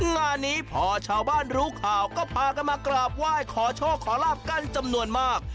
งานนี้พอชาวบ้านรู้ข่าวก็พากันมากราบไหว้ขอโชคขอลาบกันจำนวนมาก